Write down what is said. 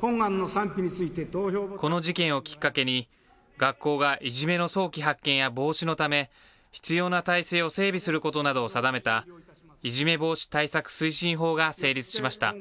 この事件をきっかけに、学校がいじめの早期発見や防止のため、必要な体制を整備することなどを定めたいじめ防止対策推進法が成立しました。